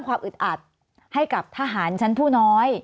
สวัสดีครับทุกคน